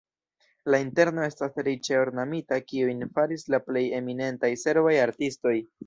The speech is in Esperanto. La interno estas riĉe ornamita, kiujn faris la plej eminentaj serbaj artistoj.